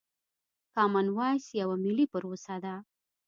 کامن وايس يوه ملي پروسه ده.